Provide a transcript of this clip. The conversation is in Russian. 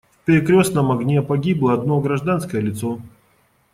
В перекрёстном огне погибло одно гражданское лицо.